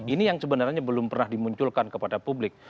ini yang sebenarnya belum pernah dimunculkan kepada publik